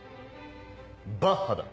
バッハだ。